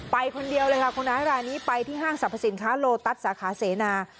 ไปคนเดียวเลยค่ะคนร้ายรายนี้ไปที่ห้างสรรพสินค้าโลตัสสาขาเสนา